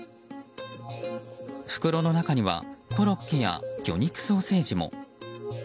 袋の中にはコロッケや魚肉ソーセージも。